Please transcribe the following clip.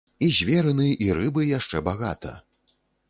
І зверыны і рыбы яшчэ багата.